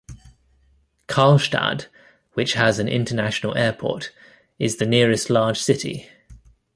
Karlstad, which has an international airport, is the nearest large city.